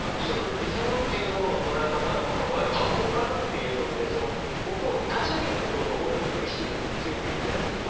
リズムっていうものの捉え方とかがやっぱボーカルっていうのって音を立ち上げる事の方に意識が強くいくじゃないですか。